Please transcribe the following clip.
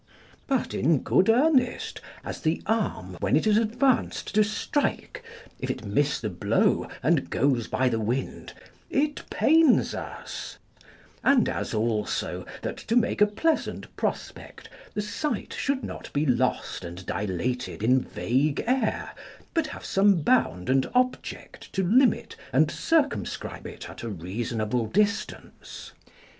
But, in good earnest, as the arm when it is advanced to strike, if it miss the blow, and goes by the wind, it pains us; and as also, that, to make a pleasant prospect, the sight should not be lost and dilated in vague air, but have some bound and object to limit and circumscribe it at a reasonable distance.